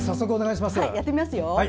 やってみますよ。